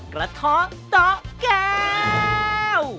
กระท้อตะแก้ว